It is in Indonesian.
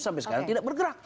sampai sekarang tidak bergerak